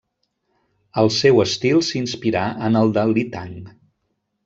El seu estil s'inspirà en el de Li Tang.